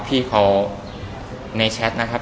ที่เขาในแชทนะครับ